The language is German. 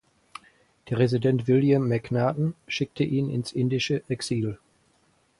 Der Resident William Macnaghten schickte ihn ins indische Exil.